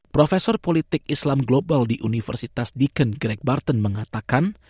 profesor politik islam global di universitas deakin greg barton mengatakan